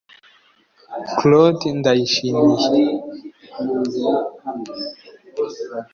Claude Nyayishimiye